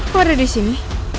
kok ada di sini